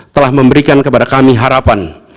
telah memberikan kepada kami harapan